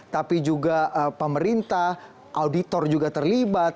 tapi juga pemerintah auditor juga terlibat